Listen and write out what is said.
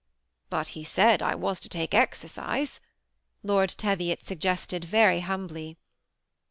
" But he said I was to take exercise," Lord Teviot suggested, very humbly.